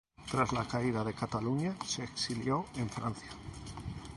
Tras la caída de Cataluña se exilió en Francia.